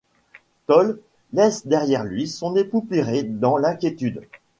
Töll laisse derrière lui son épouse Piret dans l'inquiétude.